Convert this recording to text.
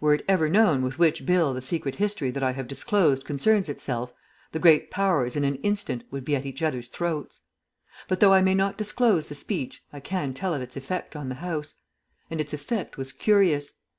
Were it ever known with which Bill the secret history that I have disclosed concerns itself, the Great Powers in an instant would be at each other's throats. But though I may not disclose the speech I can tell of its effect on the House. And its effect was curious.